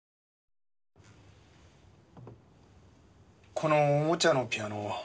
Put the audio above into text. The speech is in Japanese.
このおもちゃのピアノ